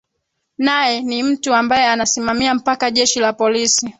nae ni mtu ambae anasimamia mpaka jeshi la polisi